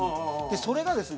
それがですね